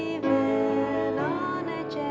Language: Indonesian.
mbak desi nyanyi